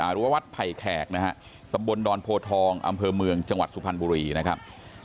หรือว่าวัดไผ่แขกนะฮะตำบลดอนโพทองอำเภอเมืองจังหวัดสุพรรณบุรีนะครับ